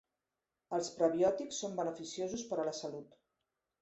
Els prebiòtics són beneficiosos per a la salut.